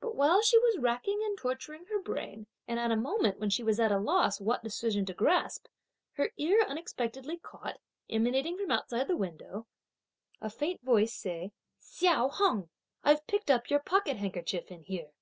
But while she was racking and torturing her brain and at a moment when she was at a loss what decision to grasp, her ear unexpectedly caught, emanating from outside the window, a faint voice say: "Hsiao Hung, I've picked up your pocket handkerchief in here!"